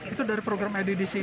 itu dari program iddc ini